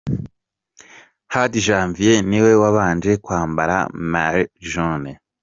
Hadi Janvier niwe wabanje kwambara Maillot Jaune.